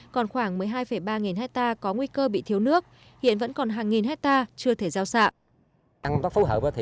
còn khoảng một mươi hai ba nghìn hectare có nguy cơ bị thiếu nước hiện vẫn còn hàng nghìn hectare chưa thể gieo xạ